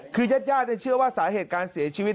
คือญาติเชื่อว่าสาเหตุการเสียชีวิต